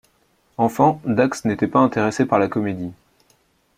Enfant, Dax n'était pas intéressé par la comédie.